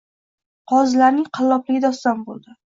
Qozilarning qallobligi doston boʼldi